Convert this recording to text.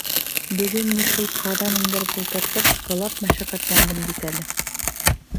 Бөгөн ни шул ҡаҙан индереп ултыртып, һылап мәшәҡәтләндем бит әле.